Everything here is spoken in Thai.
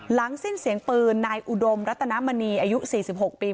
หลังสิ้นเสียงปืนนายอุดมรัตนมณีอายุ๔๖ปี